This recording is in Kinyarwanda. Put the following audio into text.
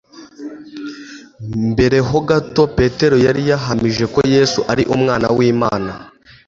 Mbere ho gato, Petero yari yahamije ko Yesu ari Umwana w'Imana,